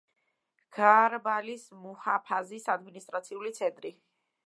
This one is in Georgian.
ქარბალის მუჰაფაზის ადმინისტრაციული ცენტრი.